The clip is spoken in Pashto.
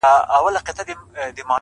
ښه دی چي ته خو ښه يې گوره زه خو داسي يم